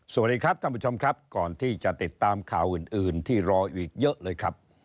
สวัสดีครับท่านผู้ชมครับก่อนที่จะติดตามข่าวอื่นอื่นที่รออีกเยอะเลยครับ